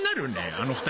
あの２人。